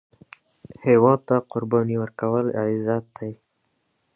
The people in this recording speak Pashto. هیواد ته قرباني ورکول، عزت دی